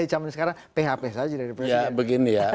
di saat ini php saja ya begini ya